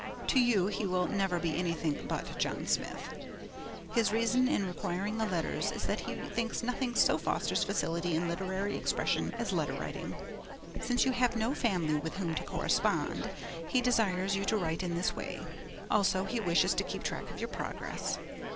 To you he will never be anything but John Smith. His reason in requiring the letters is that he thinks nothing so fosters facility in literary expression as letter writing. Since you have no family with whom to correspond, he desires you to write in this way; also, he wishes to keep track of your progress.